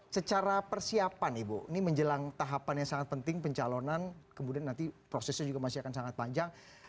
secara persiapan ibu ini menjelang tahapan yang sangat penting pencalonan kemudian nanti prosesnya juga masih akan sangat panjang